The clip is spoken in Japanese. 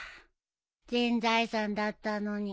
全財産だったのに